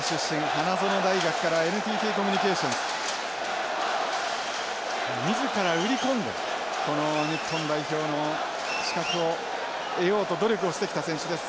花園大学からＮＴＴコミュニケーションズ。みずから売り込んでこの日本代表の資格を得ようと努力をしてきた選手です。